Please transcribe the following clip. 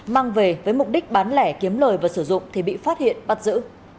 mang về với mục đích bán lẻ kiếm lời và sử dụng thì bị phát hiện bắt giữ